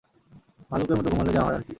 ভাল্লুকের মতো ঘুমালে যা হয় আরকি!